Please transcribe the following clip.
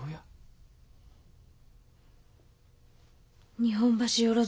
日本橋よろず